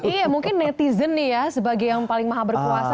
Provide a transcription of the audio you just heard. iya mungkin netizen nih ya sebagai yang paling maha berpuasa